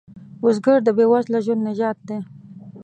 بزګر د بې وزله ژوند نجات دی